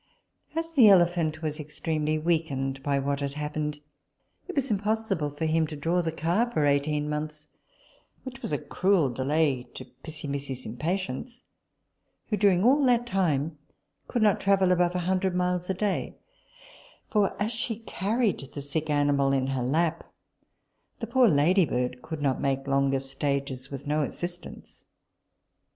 As the elephant was extremely weakened by what had happened, it was impossible for him to draw the car for eighteen months, which was a cruel delay to Pissimissi's impatience, who during all that time could not travel above a hundred miles a day, for as she carried the sick animal in her lap, the poor ladybird could not make longer stages with no assistance.